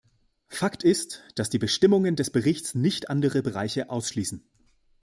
Fakt ist, dass die Bestimmungen des Berichts nicht andere Bereiche ausschließen.